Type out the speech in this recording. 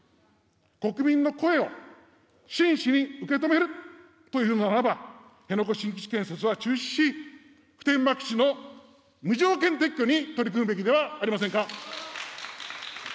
国民の声を真摯に受け止めるというのならば、辺野古新基地建設は中止し、普天間基地の無条件撤去に取り組むべきではありませんか。